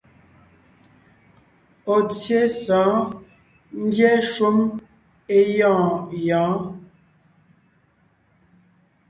Ɔ̀ tsyé sɔ̌ɔn ngyɛ́ shúm é gyɔ̂ɔn gyɔ̌ɔn.